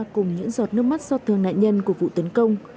cùng những giọt nước mắt xót thương nạn nhân của vụ tấn công